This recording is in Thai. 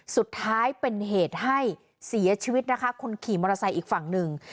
สุดท้ายเป็นเหตุให้เสียชีวิตนะคะคนขี่มอเตอร์ไซค์อีกฝั่งหนึ่ง